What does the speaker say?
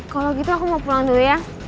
kalau gitu aku mau pulang dulu ya